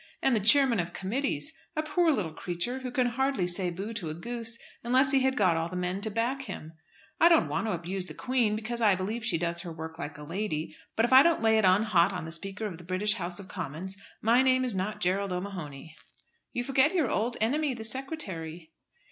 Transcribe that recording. and the Chairman of Committees. A poor little creature who can hardly say bo to a goose unless he had got all the men to back him. I don't want to abuse the Queen, because I believe she does her work like a lady; but if I don't lay it on hot on the Speaker of the British House of Commons, my name is not Gerald O'Mahony." "You forget your old enemy, the Secretary."